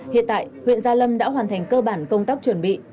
hiện tại huyện gia lâm đã hoàn thành cơ bản công tác chuẩn bị